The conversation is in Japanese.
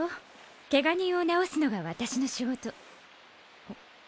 ケガ人を治すのが私の仕事あっ。